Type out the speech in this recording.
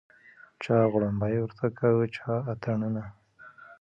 چا غړومبی ورته کاوه چا اتڼونه